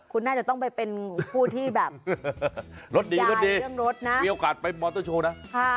คุณน่าจะต้องไปเป็นผู้ที่แบบรถดีรถดีเรื่องรถนะมีโอกาสไปมอเตอร์โชว์นะ